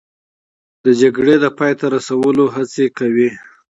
د جګړې د پای ته رسولو هڅه کوي